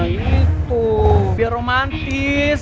nah ini tuh biar romantis